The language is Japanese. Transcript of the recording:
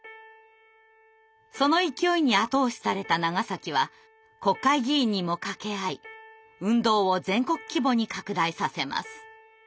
その勢いに後押しされた長は国会議員にも掛け合い運動を全国規模に拡大させます。